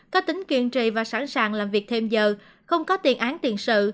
có tính kiên trì và sẵn sàng làm việc thêm giờ không có tiền án tiền sự